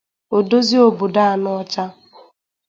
Odoziobodo Anaọcha